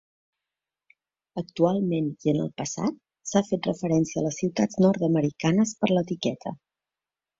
Actualment i en el passat s'ha fet referència a les ciutats nord-americanes per l'etiqueta.